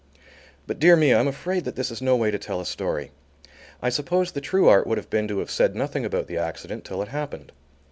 But, dear me, I am afraid that this is no way to tell a story. I suppose the true art would have been to have said nothing about the accident till it happened.